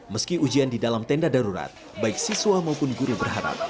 meski ujian di dalam tenda darurat baik siswa maupun guru berharap